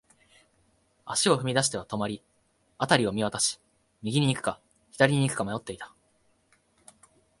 足を踏み出しては止まり、辺りを見回し、右に行くか、左に行くか迷っていた。